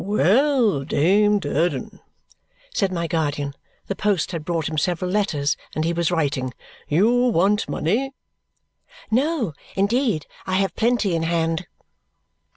"Well, Dame Durden?" said my guardian; the post had brought him several letters, and he was writing. "You want money?" "No, indeed, I have plenty in hand."